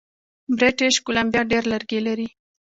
بریټیش کولمبیا ډیر لرګي لري.